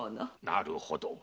なるほど。